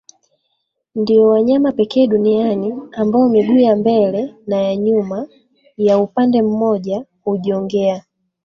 Ndio wanyama pekee duniani ambao miguu ya mbele naya nyuma ya upande mmoja hujongea